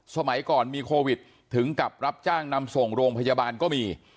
สมัยก่อนมีโควิดถึงกับรับจ้างนำส่งโรงพยาบาลก็มี